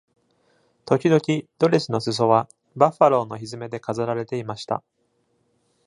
時々、ドレスの裾は、バッファローのひづめで飾られていました。